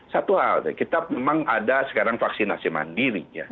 satu hal kita memang ada sekarang vaksinasi mandiri ya